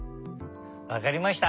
わかりました。